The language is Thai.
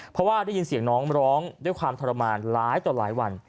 เพราะว่าได้ยินเสียงน้องร้องด้วยความทรมานหลายต่อหลายวัน